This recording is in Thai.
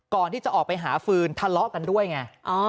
ก่อนที่จะออกไปหาฟืนทะเลาะกันด้วยไง